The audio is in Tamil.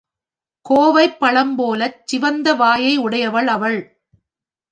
கோவைப் பழம்போலச் சிவந்த வாயை உடையவள் அவள்.